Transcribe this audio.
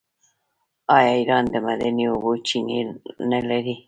آیا ایران د معدني اوبو چینې نلري؟